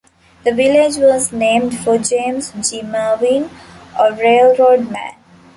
The village was named for James G. Merwin, a railroad man.